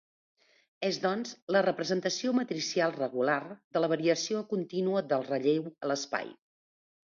És doncs, la representació matricial regular de la variació contínua del relleu a l'espai.